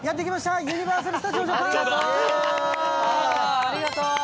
ありがとう！